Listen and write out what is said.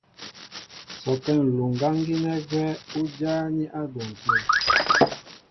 Sɔkɛ́ ǹluŋgáŋ gínɛ́ gwɛ́ ú jáání á dwɔn tə̂.